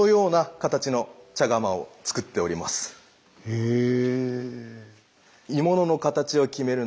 へえ。